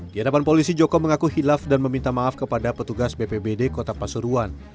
di hadapan polisi joko mengaku hilaf dan meminta maaf kepada petugas bpbd kota pasuruan